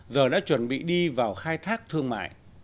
giờ đã chuẩn bị đi vào khai thác thương mại